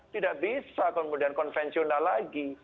tidak bisa kemudian konvensional lagi